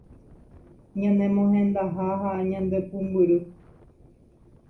ñane mohendaha ha ñande pumbyry